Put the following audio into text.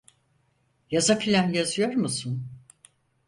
Yazı filan yazıyor musun?